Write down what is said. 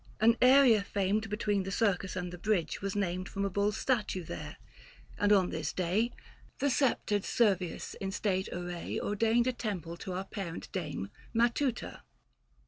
An area famed Betwixt the circus and the bridge was named From a bull's statue there. And on this day The sceptred Servius in state array o 194 THE FASTI. Book VI. Ordained a temple to our parent dame, 570 Matuta.